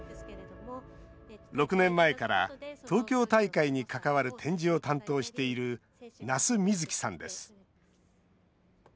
６年前から東京大会に関わる展示を担当している那須瑞紀さんです。